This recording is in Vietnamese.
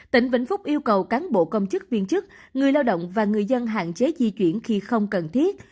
tỉnh vĩnh phúc yêu cầu cán bộ công chức viên chức người lao động và người dân hạn chế di chuyển khi không cần thiết